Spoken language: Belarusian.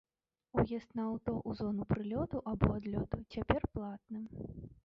Уезд на аўто ў зону прылёту або адлёту цяпер платны.